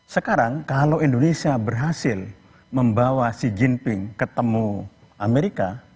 sekarang kalau indonesia berhasil membawa xi jinping ketemu amerika